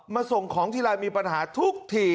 ส่งของทีไรมีปัญหาทุกที